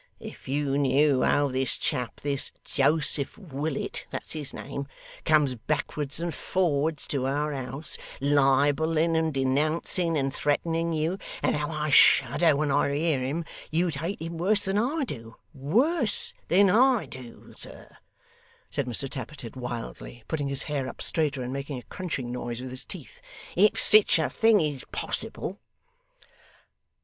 If you knew how this chap, this Joseph Willet that's his name comes backwards and forwards to our house, libelling, and denouncing, and threatening you, and how I shudder when I hear him, you'd hate him worse than I do, worse than I do, sir,' said Mr Tappertit wildly, putting his hair up straighter, and making a crunching noise with his teeth; 'if sich a thing is possible.